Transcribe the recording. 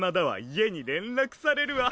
家に連絡されるわ。